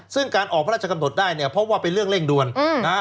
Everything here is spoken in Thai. ซึ่งการออกพระราชกำหนดได้เนี่ยเพราะว่าเป็นเรื่องเร่งด่วนนะฮะ